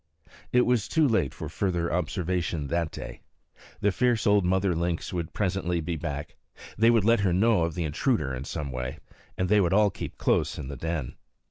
It was too late for further observation that day. The fierce old mother lynx would presently be back; they would let her know of the intruder in some way; and they would all keep close in the den.